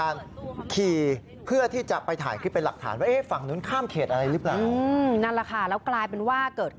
เมื่อเมื่อ